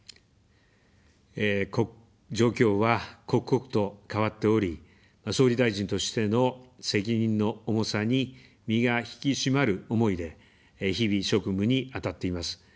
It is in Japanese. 状況は刻々と変わっており、総理大臣としての責任の重さに、身が引き締まる思いで、日々、職務に当たっています。